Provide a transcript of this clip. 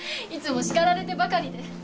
いつも叱られてばかりで。